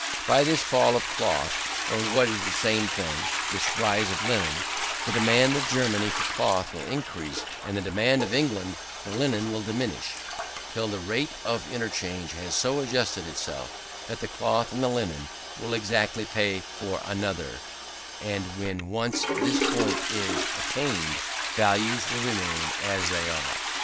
By this fall of cloth, or what is the same thing, this rise of linen, the demand of Germany for cloth will increase, and the demand of England for linen will diminish, till the rate of interchange has so adjusted itself that the cloth and the linen will exactly pay for another; and when once this point is attained, values will remain as they are.